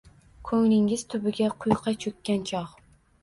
Ko’nglingiz tubiga quyqa cho’kkan chog’ –